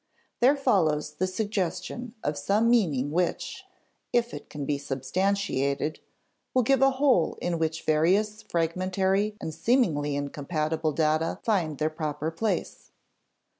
There follows the suggestion of some meaning which, if it can be substantiated, will give a whole in which various fragmentary and seemingly incompatible data find their proper place.